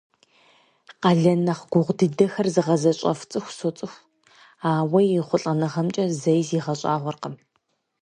Къалэн нэхъ гугъу дыдэхэр зыгъэзэщӏэф цӀыху соцӀыху, ауэ и ехъулӀэныгъэхэмкӀэ зэи зигъэщӀагъуэркъым.